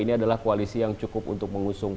ini adalah koalisi yang cukup untuk mengusung